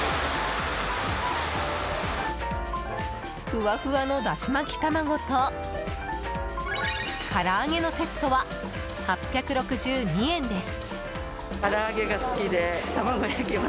ふわふわのだし巻き卵とから揚げのセットは８６２円です。